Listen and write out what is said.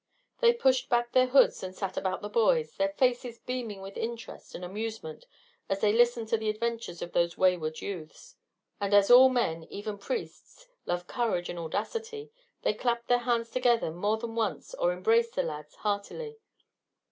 They pushed back their hoods and sat about the boys, their faces beaming with interest and amusement as they listened to the adventures of those wayward youths. And as all men, even priests, love courage and audacity, they clapped their hands together more than once or embraced the lads heartily.